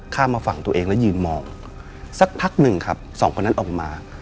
ข้ามมาฝั่งตัวเองแล้วยืนมองสักพักหนึ่งครับสองคนนั้นออกมา